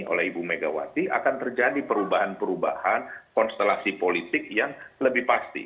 oleh ibu megawati akan terjadi perubahan perubahan konstelasi politik yang lebih pasti